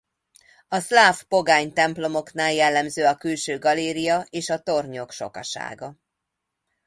A szláv pogány templomoknál jellemző a külső galéria és a tornyok sokasága.